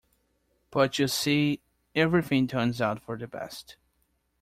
But you see, everything turns out for the best.